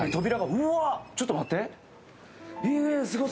ちょっと待って。